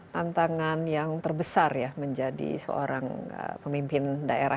tantangan yang terbesar ya menjadi seorang pemimpin daerah